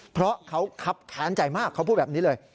เพราะเขาคับแค้นใจมากเขาพูดแบบนี้เลย